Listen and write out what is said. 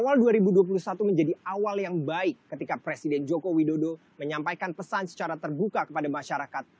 awal dua ribu dua puluh satu menjadi awal yang baik ketika presiden joko widodo menyampaikan pesan secara terbuka kepada masyarakat